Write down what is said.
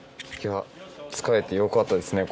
使えてよかったですね